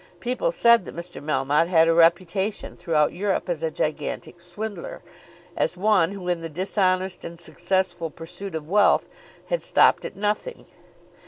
People said that Mr. Melmotte had a reputation throughout Europe as a gigantic swindler, as one who in the dishonest and successful pursuit of wealth had stopped at nothing.